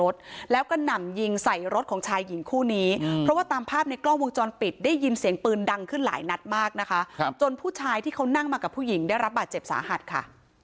เสียงปืนดังขึ้นหลายนัดมากนะคะครับจนผู้ชายที่เขานั่งมากับผู้หญิงได้รับบาดเจ็บสาหัสค่ะ